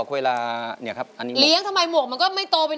ขอบค่อยนะครับ